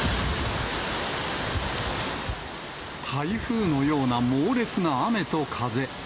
台風のような猛烈な雨と風。